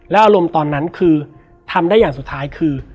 อารมณ์ตอนนั้นคือทำได้อย่างสุดท้ายคือ